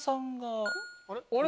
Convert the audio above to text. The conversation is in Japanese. あれ？